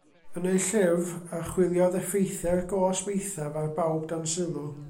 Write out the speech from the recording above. Yn ei llyfr, archwiliodd effeithiau'r gosb eithaf ar bawb dan sylw.